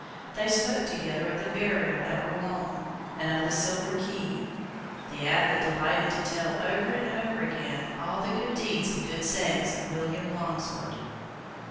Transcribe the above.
They spoke together of that burial at Rouen, and of the silver key; the Abbot delighting to tell, over and over again, all the good deeds and good sayings of William Longsword.